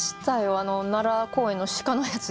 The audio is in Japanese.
あの奈良公園の鹿のやつでしょ？